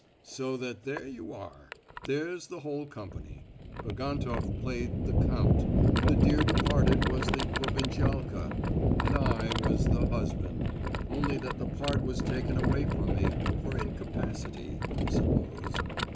So that there you are—there's the whole company. Bagantoff played the 'count,' the dear departed was the 'Provincialka,' and I was the 'husband,' only that the part was taken away from me, for incapacity, I suppose!"